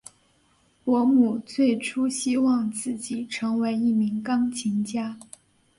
伯姆最初希望自己成为一名钢琴家。